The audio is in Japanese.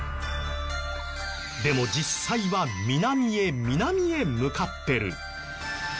でも実際は南へ南へ向かってる。